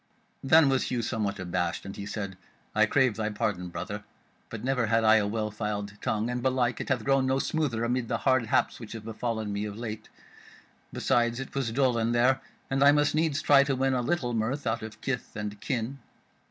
Then was Hugh somewhat abashed, and he said: "I crave thy pardon, brother, but never had I a well filed tongue, and belike it hath grown no smoother amid the hard haps which have befallen me of late. Besides it was dull in there, and I must needs try to win a little mirth out of kith and kin."